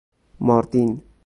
ماردین